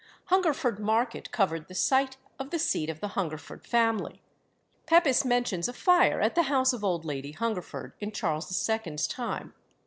Hungerford Market covered the site of the seat of the Hungerford family. Pepys mentions a fire at the house of old Lady Hungerford in Charles II.'s time.